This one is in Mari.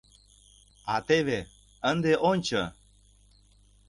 А теве, ынде ончо!